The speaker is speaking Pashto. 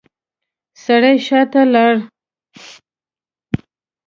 سړی شاته لاړ.